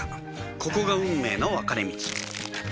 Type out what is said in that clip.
ここが運命の分かれ道